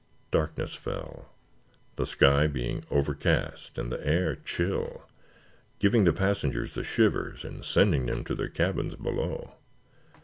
Darkness fell, the sky being overcast, and the air chill, giving the passengers the shivers and sending them to their cabins below.